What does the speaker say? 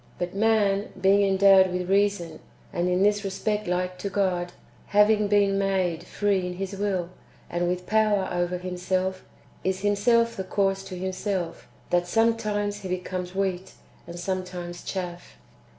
But man, being endowed with reason, and in this respect like to God, having been made free in his will, and with power over himself, is himself the cause to himself, that sometimes he becomes wheat, and sometimes chaff.